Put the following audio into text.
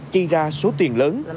chây ra số tiền lớn